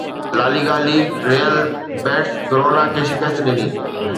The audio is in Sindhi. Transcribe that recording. La Liga league Real Betis Girona کي شڪست ڏني